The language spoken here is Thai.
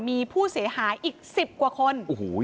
มีผู้เสียหายอีก๑๐กว่าคน